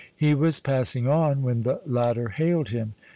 He was passing on when the latter hailed him.